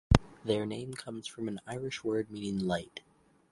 Their name comes from an Irish word meaning "light".